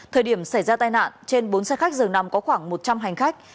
thời điểm xảy ra tai nạn trên bốn xe khách dường nằm có khoảng một trăm linh hành khách